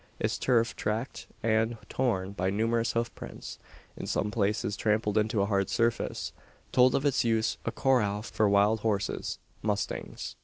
Its turf tracked and torn by numerous hoof prints in some places trampled into a hard surface told of its use: a "corral" for wild horses mustangs.